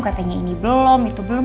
katanya ini belum itu belum